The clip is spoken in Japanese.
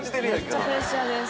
めっちゃプレッシャーです。